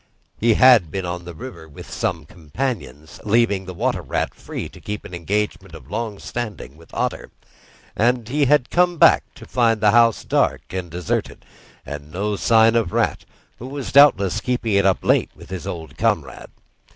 He had been on the river with some companions, leaving the Water Rat free to keep a engagement of long standing with Otter; and he had come back to find the house dark and deserted, and no sign of Rat, who was doubtless keeping it up late with his old comrade.